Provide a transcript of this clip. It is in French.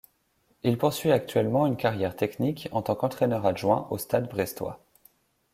Il poursuit actuellement une carrière technique, en tant qu'entraîneur adjoint, au Stade Brestois.